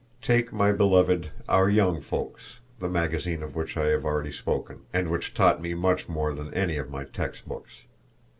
Take my beloved Our Young Folks, the magazine of which I have already spoken, and which taught me much more than any of my text books.